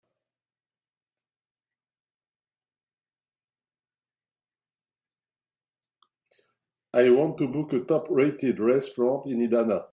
I want to book a top-rated restaurant in Idana.